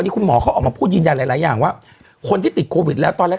คุณหมอเขาออกมาพูดยืนยันหลายอย่างว่าคนที่ติดโควิดแล้วตอนแรก